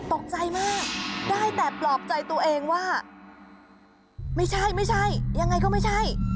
ตกใจมากได้แต่ปลอบใจตัวเองว่าไม่ใช่ไม่ใช่ยังไงก็ไม่ใช่